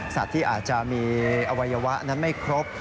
ที่อาจจะมีอวัยวะนั้นไม่ครบ